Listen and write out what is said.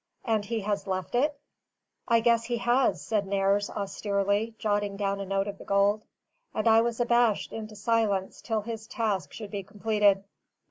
And he has left it?" "I guess he has," said Nares, austerely, jotting down a note of the gold; and I was abashed into silence till his task should be completed.